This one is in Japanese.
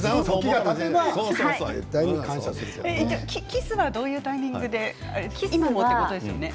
キスはどういうタイミングで今もということですよね。